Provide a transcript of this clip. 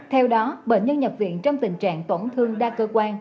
theo đó bệnh nhân nhập viện trong tình trạng tổn thương đa cơ quan